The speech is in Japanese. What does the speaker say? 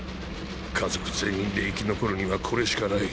家族全員で生き残るにはこれしか無い。